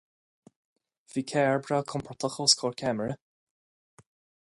Bhí Carr breá compordach os comhair ceamara.